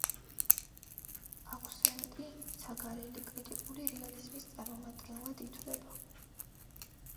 აქვსენტი ცაგარელი კრიტიკული რეალიზმის წარმომადგენლად ითვლება.